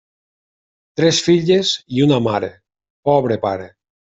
Tres filles i una mare, pobre pare.